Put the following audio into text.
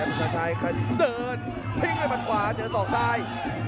อินทราชายคิดเดินทิ้งด้วยมันขวาเจอสองสาย